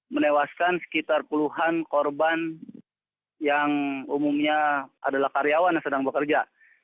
menewaskan sekitar puluhan korban yang umumnya adalah karyawan yang sedang bekerja